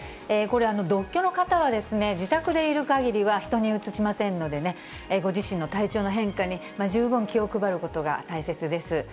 これ、独居の方は自宅でいるかぎりは人にうつしませんのでね、ご自身の体調の変化に十分気を配ることが大切です。